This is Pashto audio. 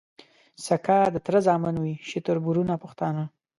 سکه د تره زامن وي شي تــربـــرونـه پښتانه